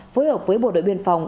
phối hợp với bộ đội biên phòng